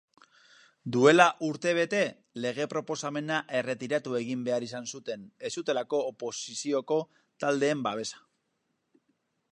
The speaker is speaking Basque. Duela urtebete lege-proposamena erretiratu egin behar izan zuten ez zutelako oposizioko taldeen babesa.